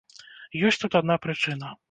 Ёсць тут адна прычына.